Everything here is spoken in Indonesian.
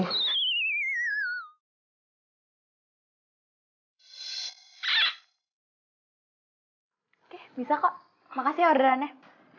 oke bisa kok makasih orderannya